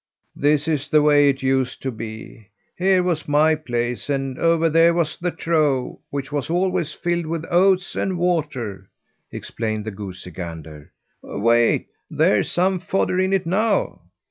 "This is the way it used to be: here was my place and over there was the trough, which was always filled with oats and water," explained the goosey gander. "Wait! there's some fodder in it now."